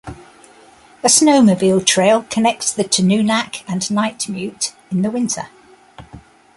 A snowmobile trail connects the Tununak and Nightmute in the winter.